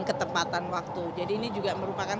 ketepatan waktu jadi ini juga merupakan